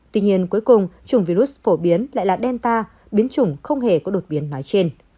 tuy nhiên cuối cùng chủng virus phổ biến lại là đen ta biến chủng không hề có đột biến nói trên